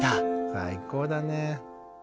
最高だね。